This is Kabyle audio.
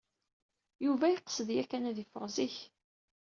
Yuba yeqsed yakan ad iffeɣ zik.